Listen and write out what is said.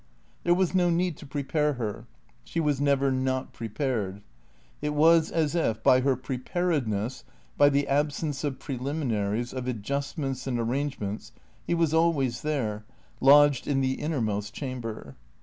There was no need to prepare her. She was never not prepared. It was as if by her preparedness, by the absence of preliminaries, of adjustments and arrangements, he was always there, lodged in the innermost chamber.